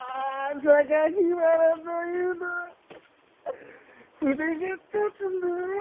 原というのは筆が立つのう。